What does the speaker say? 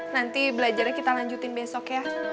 nanti belajarnya kita lanjutin besok ya